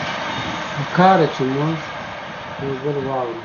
پکار ده چې مونږه يو بل واورو